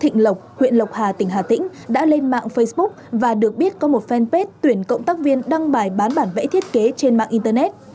thịnh lộc huyện lộc hà tỉnh hà tĩnh đã lên mạng facebook và được biết có một fanpage tuyển cộng tác viên đăng bài bán bản vẽ thiết kế trên mạng internet